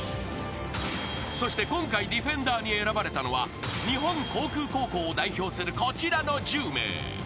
［そして今回ディフェンダーに選ばれたのは日本航空高校を代表するこちらの１０名］